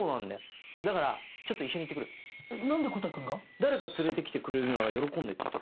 「誰か連れてきてくれるなら喜んで」って言ったから。